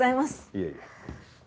いえいえ。